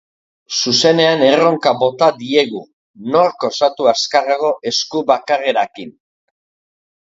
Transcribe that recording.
Zuzenean erronka bota diegu, nork osatu azkarrago esku bakarrarekin?